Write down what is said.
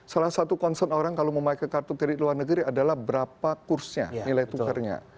salah satu concern orang kalau memakai kartu kredit luar negeri adalah berapa kursnya nilai tukarnya